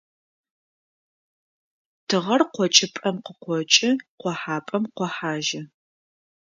Тыгъэр къокӀыпӀэм къыкъокӀы къохьапӀэм къохьажьы.